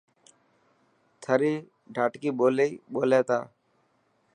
ٿري ڌاٽڪي ٻولي ٻولي ٿا.